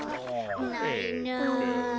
ないな。